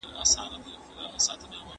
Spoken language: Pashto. د حکومت د اداري دنده خلګو ته مهمه ده.